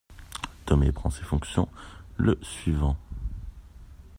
Tomé prend ses fonctions le suivant.